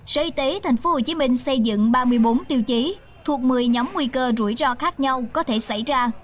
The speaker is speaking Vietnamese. sở y tế tp hcm xây dựng ba mươi bốn tiêu chí thuộc một mươi nhóm nguy cơ rủi ro khác nhau có thể xảy ra